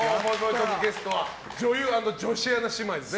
トークゲストは女優＆女子アナ姉妹です。